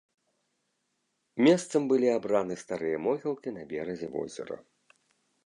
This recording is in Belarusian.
Месцам былі абраны старыя могілкі на беразе возера.